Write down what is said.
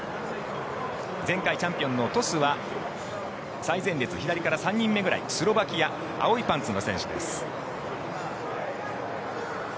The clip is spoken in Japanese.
前回チャンピオンのトスは最前列左から３人目ぐらいスロバキア青いパンツの選手です。